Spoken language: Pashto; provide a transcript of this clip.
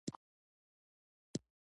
یو ښه اداکار د خلکو زړونه لمسوي.